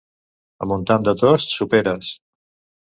A Montan de Tost, soperes.